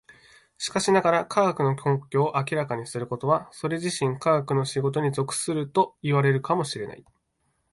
しかしながら、科学の根拠を明らかにすることはそれ自身科学の仕事に属するといわれるかも知れない。